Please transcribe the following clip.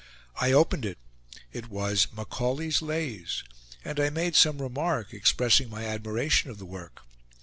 I opened it; it was "Macaulay's Lays"; and I made some remark, expressing my admiration of the work.